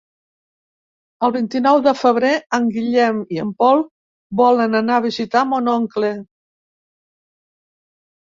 El vint-i-nou de febrer en Guillem i en Pol volen anar a visitar mon oncle.